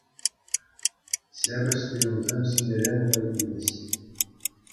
Ҫепӗҫ туйӑмсем ҫӗнӗрен вӑй илӗҫ.